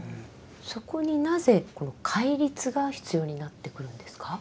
そこになぜ戒律が必要になってくるんですか？